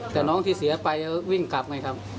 แต่น้องที่เสียไปวิ่งกลับไงครับ